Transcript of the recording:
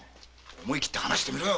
思い切って話してみろ！